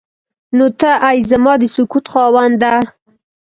نو ته ای زما د سکوت خاونده.